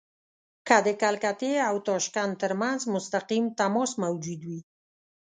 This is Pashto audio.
که د کلکتې او تاشکند ترمنځ مستقیم تماس موجود وي.